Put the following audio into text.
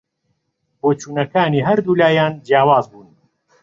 بۆچوونەکانی هەردوو لایان جیاواز بوون